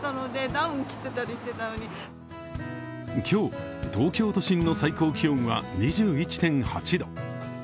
今日、東京都心の最高気温は２１．８度。